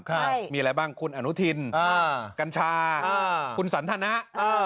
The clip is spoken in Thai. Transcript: ค่ะมีอะไรบ้างคุณอนุทินอ่ากัญชาอ่าคุณสันธนะอ่า